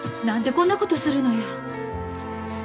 何でこんなことするのや？